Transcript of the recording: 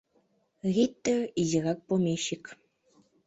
Риттер — изирак помещик.